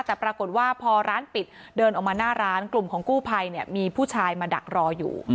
แต่ปรากฏว่าพอร้านปิดเดินออกมาหน้าร้านกลุ่มของกู้ภัยเนี่ยมีผู้ชายมาดักรออยู่